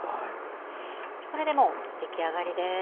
これでもう出来上がりです。